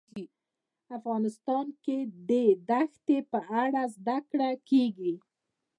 افغانستان کې د دښتې په اړه زده کړه کېږي.